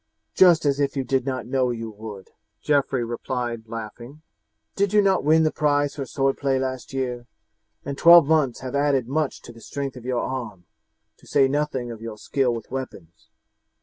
"Just as if you did not know you would," Geoffrey replied, laughing. "Did you not win the prize for swordplay last year? And twelve months have added much to the strength of your arm, to say nothing of your skill with weapons.